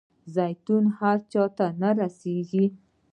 زیتون هر چاته نه رسیږي.